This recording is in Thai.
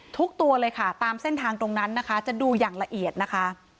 ทุกตัวเลยค่ะตามเส้นทางตรงนั้นนะคะจะดูอย่างละเอียดนะคะ